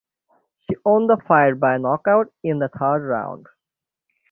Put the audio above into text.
She won the fight via knockout in the third round.